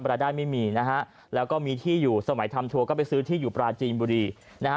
รายได้ไม่มีนะฮะแล้วก็มีที่อยู่สมัยทำทัวร์ก็ไปซื้อที่อยู่ปลาจีนบุรีนะฮะ